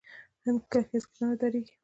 هند هیڅکله نه دریږي.